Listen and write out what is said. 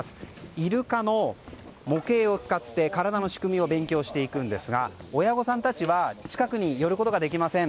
イルカの模型を使って体の仕組みを勉強していきますが親御さんたちは近くに寄ることができません。